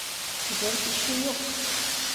Özel bir şey yok.